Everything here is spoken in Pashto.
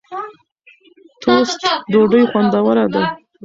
ټوسټ ډوډۍ خوندوره ده.